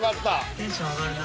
テンション上がるな。